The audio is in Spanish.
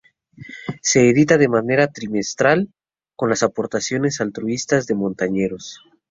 Se edita de manera trimestral, con las aportaciones altruistas de montañeros.